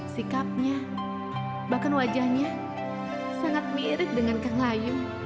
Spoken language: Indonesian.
sikapnya bahkan wajahnya sangat mirip dengan kang lain